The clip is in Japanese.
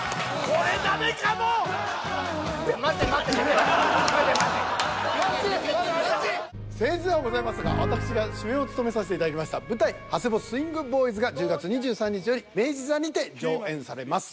僭越ではございますが私が主演を務めさせていただきました舞台「羽世保スウィングボーイズ」が１０月２３日より明治座にて上演されます。